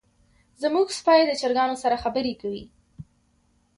زمونږ سپی د چرګانو سره خبرې کوي.